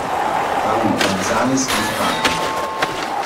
Raúl González Guzmán